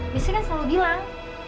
biasanya kan selalu bilang